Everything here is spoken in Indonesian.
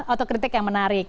otokritik yang menarik